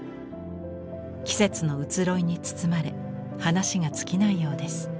季節の移ろいに包まれ話が尽きないようです。